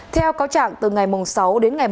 theo cáo trạng từ ngày sáu đến ngày bảy